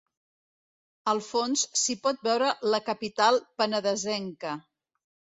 Al fons s’hi pot veure la capital penedesenca.